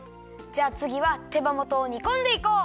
じゃあつぎは手羽元を煮こんでいこう！